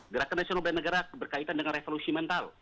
gerakan nasional bela negara berkaitan dengan revolusi mental